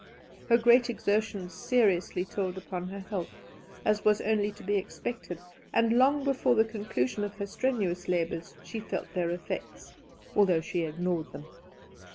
Her great exertions seriously told upon her health, as was only to be expected, and long before the conclusion of her strenuous labours she felt their effects, although she ignored them.